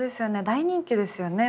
大人気ですよね。